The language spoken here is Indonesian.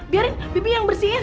biarin bibi yang bersihin